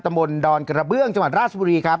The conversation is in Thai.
มนต์ดอนกระเบื้องจังหวัดราชบุรีครับ